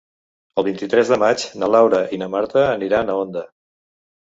El vint-i-tres de maig na Laura i na Marta aniran a Onda.